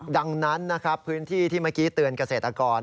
ดังนั้นนะครับพื้นที่ที่เมื่อกี้เตือนเกษตรกร